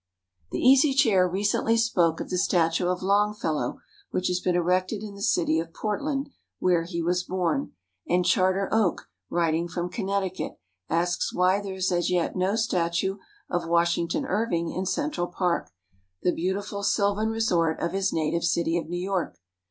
The Easy Chair recently spoke of the statue of Longfellow which has been erected in the city of Portland, where he was born, and "Charter Oak," writing from Connecticut, asks why there is as yet no statue of Washington Irving in Central Park, the beautiful sylvan resort of his native city of New York.